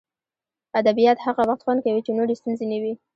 ادبیات هغه وخت خوند کوي چې نورې ستونزې نه وي